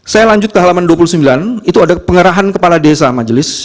saya lanjut ke halaman dua puluh sembilan itu ada pengerahan kepala desa majelis